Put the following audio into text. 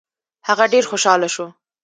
هغه ډېر خوشاله شو.